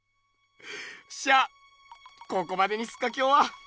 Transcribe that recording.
っしゃここまでにすっかきょうは。